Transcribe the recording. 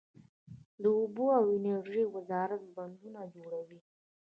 د اوبو او انرژۍ وزارت بندونه جوړوي؟